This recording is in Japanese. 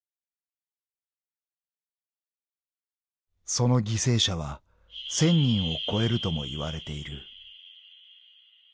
［その犠牲者は１，０００人を超えるともいわれている］